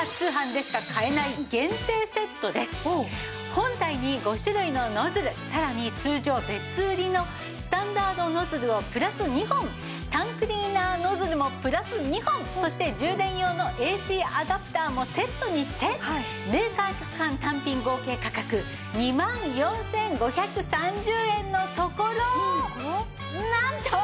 本体に５種類のノズルさらに通常別売りのスタンダードノズルをプラス２本タンクリーナーノズルもプラス２本そして充電用のＡＣアダプターもセットにしてメーカー直販単品合計価格２万４５３０円のところなんと！